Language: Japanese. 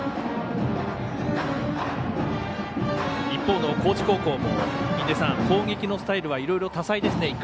一方の高知高校も攻撃のスタイルはいろいろ多彩ですね。